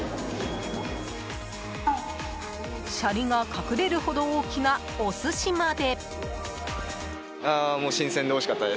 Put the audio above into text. シャリが隠れるほど大きなお寿司まで。